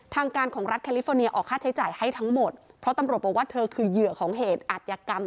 ทางการของรัฐแคลิฟอร์เนียออกค่าใช้จ่ายให้ทั้งหมดเพราะตำรวจบอกว่าเธอคือเหยื่อของเหตุอัธยกรรม